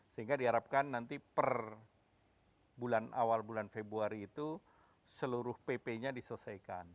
sehingga diharapkan nanti per bulan awal bulan februari itu seluruh pp nya diselesaikan